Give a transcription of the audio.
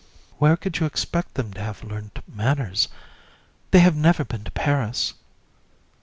JU. Where could you expect them to have learnt manners? They have never been to Paris.